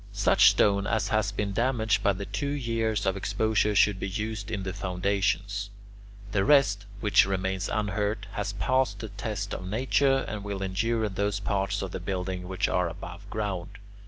Such stone as has been damaged by the two years of exposure should be used in the foundations. The rest, which remains unhurt, has passed the test of nature and will endure in those parts of the building which are above ground.